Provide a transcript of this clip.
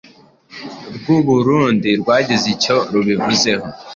rw'u Burundi rwagize icyo rubivuzeho,